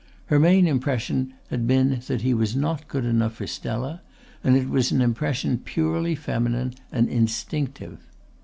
Her main impression had been that he was not good enough for Stella, and it was an impression purely feminine and instinctive.